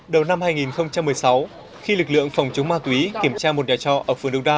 đầu năm hai nghìn một mươi sáu khi lực lượng phòng chống ma túy kiểm tra một nhà trọ ở phường đông đa